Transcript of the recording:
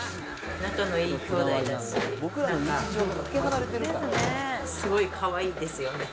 仲のいい兄弟だし、なんかすごいかわいいんですよね。